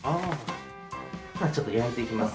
ちょっと焼いていきます。